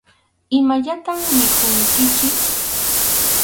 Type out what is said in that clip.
Imallatam mikhunkichik.